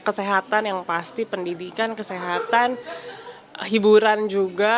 kesehatan yang pasti pendidikan kesehatan hiburan ya pasti harus ada di sana